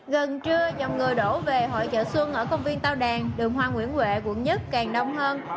gần trưa dòng người đổ về hội chợ xuân ở công viên tàu đàn đường hoa nguyễn huệ quận một càng đông hơn